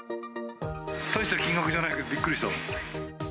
大した金額じゃないけどびっくりした。